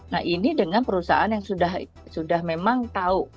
nah ini dengan perusahaan yang sudah memang tahu